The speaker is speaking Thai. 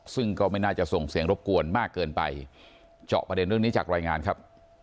ซึ่งก็ไม่น่าจะส่งเสียงรบกวนมากเกินไปเจาะประเด็นเรื่องนี้จากรายงานครับ